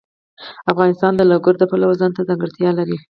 افغانستان د لوگر د پلوه ځانته ځانګړتیا لري.